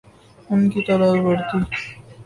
ان کی تعداد بڑھتی